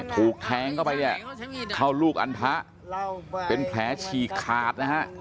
ถูกแท้งเข้าลูกอันทระเป็นแผลชี่ขาด